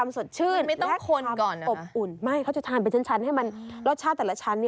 ไม่เขาจะทานไปชั้นให้รสชาติแต่ละชั้น